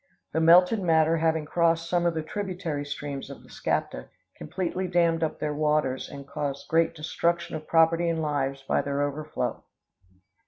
The melted matter having crossed some of the tributary streams of the Skapta, completely dammed up their waters and caused great destruction of property and lives by their overflow.